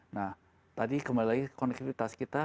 nah tadi kembali lagi konektivitas kita